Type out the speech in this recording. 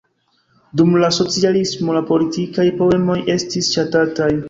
Dum la socialismo la politikaj poemoj estis ŝatataj.